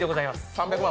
３００万